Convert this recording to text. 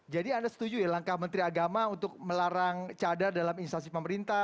jadi anda setuju ya langkah menteri agama untuk melarang cadar dalam instansi pemerintah